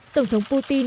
tổng thống putin